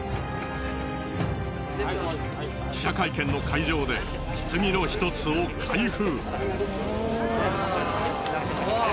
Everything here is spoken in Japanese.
記者会見の会場で棺の１つを開封。